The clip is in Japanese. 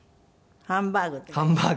ハンバーグ。